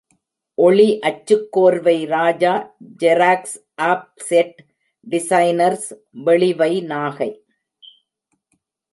ஒளி அச்சுக்கோர்வை Raja xerox offset designers, வெளிவை, நாகை.